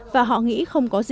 và họ nghĩ không có gì